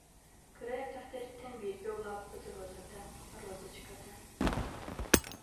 Кыра эрдэхтэриттэн бииргэ улааппыт Розата, Розочката